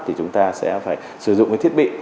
thì chúng ta sẽ phải sử dụng cái thiết bị